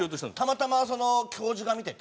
たまたま教授が見てて。